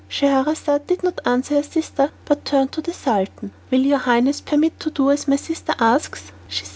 Scheherazade did not answer her sister, but turned to the Sultan. "Will your highness permit me to do as my sister asks?" said she.